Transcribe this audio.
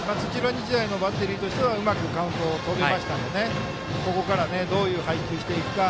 日大のバッテリーとしてはうまくカウントをとりましたのでここからどういう配球していくか。